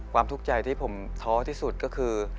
ทุกข์ใจที่ผมท้อที่สุดก็คือ